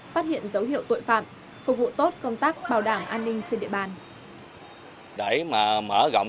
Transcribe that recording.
phát hiện dấu hiệu tội phạm phục vụ tốt công tác bảo đảm an ninh trên địa bàn